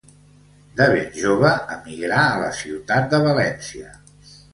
De ben jove emigrà a la ciutat de València.